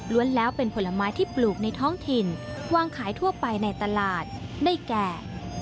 แล้วเป็นผลไม้ที่ปลูกในท้องถิ่นวางขายทั่วไปในตลาดได้แก่